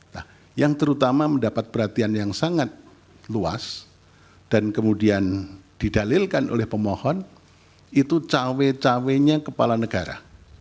nah yang terutama mendapat perhatian yang sangat luas dan kemudian didalilkan oleh pemohon itu cawe cawenya kepala negara